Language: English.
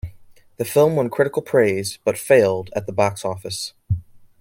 The film won critical praise but failed at the box office.